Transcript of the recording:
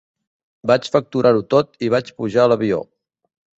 Vaig facturar-ho tot i vaig pujar a l’avió.